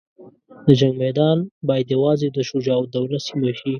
د جنګ میدان باید یوازې د شجاع الدوله سیمه شي.